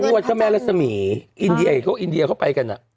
เมื่อวันนี้วันขมรสมีอินเดียเขาอินเดียเขาไปกันอ่ะ